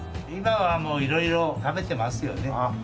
今はもう色々食べてますよね。